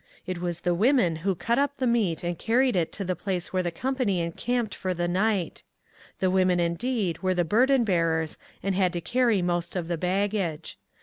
It was the women who cut up the meat and carried it to the place where the company encamped for the night. The women, indeed, were the burden bearers and had to carry most of the baggage.